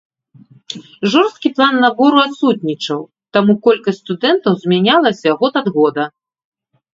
Жорсткі план набору адсутнічаў, таму колькасць студэнтаў змянялася год ад года.